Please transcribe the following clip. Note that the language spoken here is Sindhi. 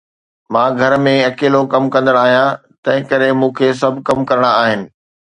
مان گهر ۾ اڪيلو ڪم ڪندڙ آهيان، تنهنڪري مون کي سڀ ڪم ڪرڻا آهن.